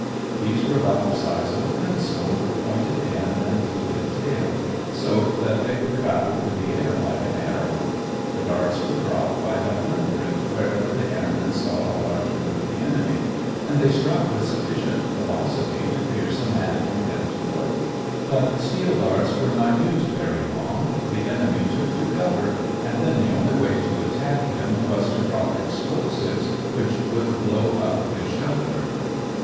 These were about the size of a pencil, with pointed end and fluted tail, so that they would travel through the air like an arrow. The darts were dropped by the hundred wherever the airmen saw a large group of the enemy, and they struck with sufficient velocity to pierce a man from head to foot. But steel darts were not used very long. The enemy took to cover and then the only way to attack him was to drop explosives which would blow up his shelter.